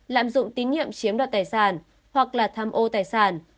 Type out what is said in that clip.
lạm dụng tín nhiệm chiếm đoạt tài sản hoặc là tham ô tài sản